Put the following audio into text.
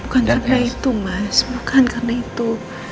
bukan karena itu mas bukan karena itu